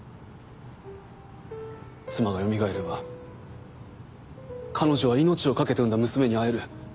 妻がよみがえれば彼女は命を懸けて産んだ娘に会える。